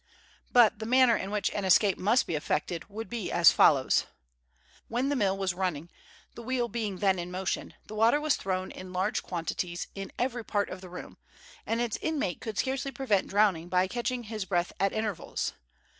But the manner in which an escape must be effected would be as follows: When the mill was running, the wheel being then in motion, the water was thrown in large quantities in every part of the room, and its inmate could scarcely prevent drowning by catching his breath at intervals.